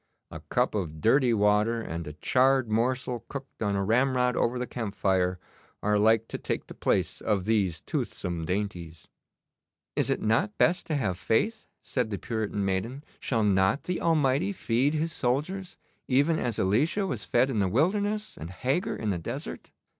A cup of dirty water and a charred morsel cooked on a ramrod over the camp fire are like to take the place of these toothsome dainties.' 'Is it not best to have faith?' said the Puritan maiden. 'Shall not the Almighty feed His soldiers even as Elisha was fed in the wilderness and Hagar in the desert?